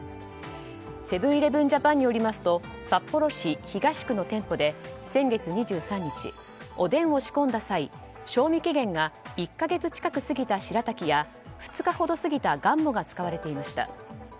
セブン‐イレブン・ジャパンによりますと札幌市東区の店舗で先月２３日、おでんを仕込んだ際賞味期限が１か月近く過ぎた白滝や２日ほど過ぎたがんもが使われていました。